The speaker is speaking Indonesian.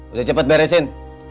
udah cepet beresin